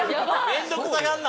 面倒くさがんな！